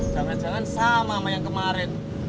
jangan jangan sama sama yang kemarin